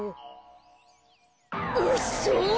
うっそ！